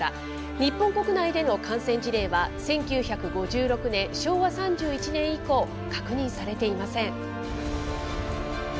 日本国内での感染事例は、１９５６年・昭和３１年以降、確認されていません。